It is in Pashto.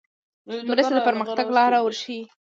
مرستې د پرمختګ لار ورښیي.